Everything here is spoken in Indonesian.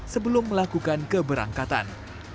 sebelum melakukan keberangkatan